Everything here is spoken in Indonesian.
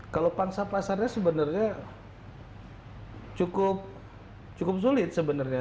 kalau pangsa pasarnya sebenarnya cukup sulit sebenarnya